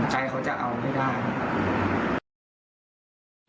ใจเขาจะเอาไม่ได้